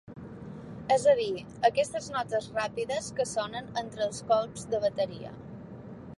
És a dir, aquestes notes ràpides que sonen entre els colps de bateria.